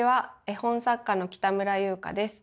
絵本作家の北村裕花です。